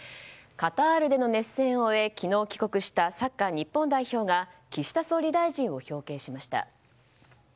カタールでの熱戦を終え昨日帰国したサッカー日本代表が岸田総理を表敬しました。